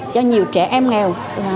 cho nhiều trẻ em nghèo